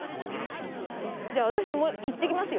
じゃあ私も行ってきますよ。